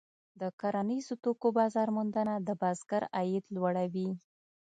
د کرنیزو توکو بازار موندنه د بزګر عاید لوړوي.